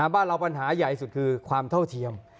บ้านเราปัญหาใหญ่สุดคือความเท่าเทียม